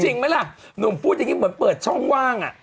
จริงไหมล่ะหนุ่มพูดอย่างนี้เหมือนเปิดช่องว่าง